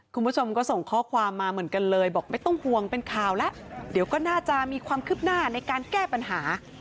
คุณผู้ชมก็ส่งข้อความมาเหมือนกันเลยบอกไม่ต้องห่วงเป็นข่าวแล้วเดี๋ยวก็น่าจะมีความคืบหน้าในการแก้ปัญหา